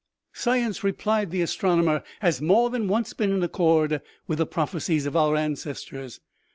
"" Science," replied the astronomer, u has more than once been in accord with the prophecies of our ancestors.